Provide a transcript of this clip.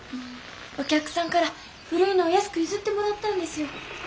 お客さんから古いのを安く譲ってもらったんですよ。